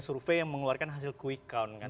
survei yang mengeluarkan hasil quick count kan